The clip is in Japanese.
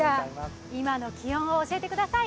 今の気温を教えてください。